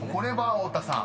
太田さん］